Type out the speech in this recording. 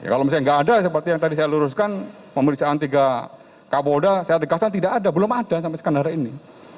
kalau misalnya nggak ada seperti yang tadi saya luruskan pemeriksaan tiga kapolda saya tegaskan tidak ada belum ada sampai sekarang hari ini